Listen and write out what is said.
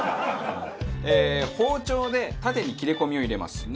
包丁で縦に切れ込みを入れます。